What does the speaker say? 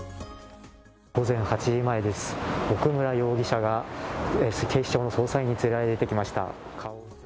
午前８時前です、奥村容疑者が警視庁の捜査員に連れられて出てきました。